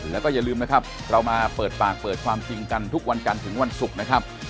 แล้วก็อย่าลืมนะครับเรามาเปิดปากเปิดความจริงกันทุกวันกันถึงวันศุกร์นะครับ